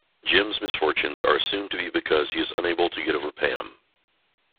Jim's misfortunes are assumed to be because he is unable to get over Pam.